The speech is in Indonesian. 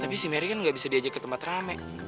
tapi si mary kan nggak bisa diajak ke tempat rame